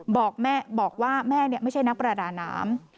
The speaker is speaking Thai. บอกว่าแม่ไม่ใช่นักประดาน้ำ